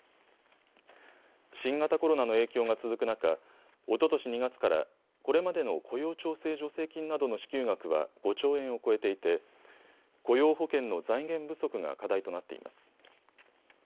新型コロナの影響が続く中、おととし２月からこれまでの雇用調整助成金などの支給額は５兆円を超えていて雇用保険の財源不足が課題となっています。